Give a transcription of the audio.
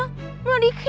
udah di cancel